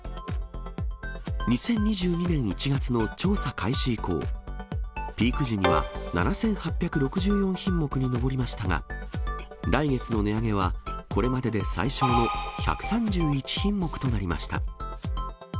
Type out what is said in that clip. ２０２２年１月の調査開始以降、ピーク時には７８６４品目にも上りましたが、来月の値上げはこれまでで最少の１３１品目となりました。